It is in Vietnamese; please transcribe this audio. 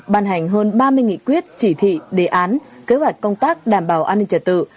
ban hành hơn ba mươi nghị quyết chỉ thị đề án kế hoạch công tác đảm bảo an ninh trật tự